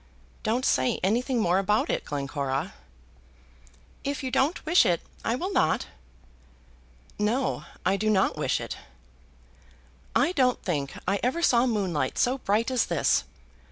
Don't say anything more about it, Glencora." "If you don't wish it, I will not." "No; I do not wish it. I don't think I ever saw moonlight so bright as this.